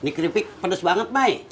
ini keripik pedes banget mai